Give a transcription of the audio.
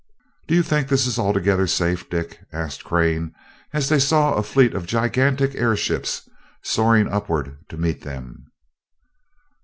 "Do you think this is altogether safe, Dick?" asked Crane as they saw a fleet of gigantic airships soaring upward to meet them.